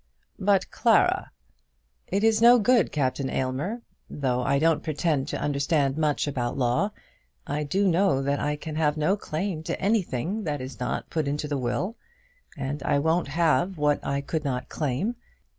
"But Clara " "It is no good, Captain Aylmer. Though I don't pretend to understand much about law, I do know that I can have no claim to anything that is not put into the will; and I won't have what I could not claim.